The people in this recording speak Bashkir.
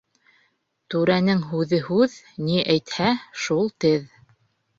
Түрәнең һүҙе һүҙ, ни әйтһә, шул теҙ.